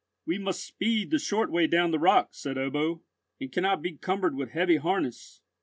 "We must speed the short way down the rock," said Ebbo, "and cannot be cumbered with heavy harness.